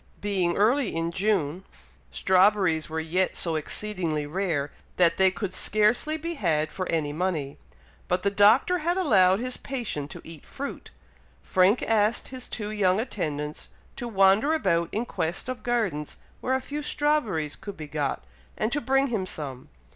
Being early in June, strawberries were yet so exceedingly rare, that they could scarcely be had for any money; but the Doctor had allowed his patient to eat fruit. Frank asked his two young attendants to wander about in quest of gardens where a few strawberries could be got, and to bring him some.